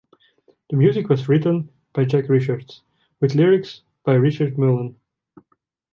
The music was written by Jack Richards, with lyrics by Richard Mullan.